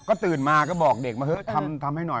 ก็ตื่นมาก็บอกเด็กมาเถอะทำให้หน่อย